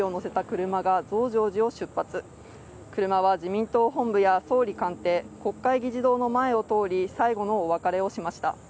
車は、自民党本部や総理官邸国会議事堂の前を通り最後のお別れをしました。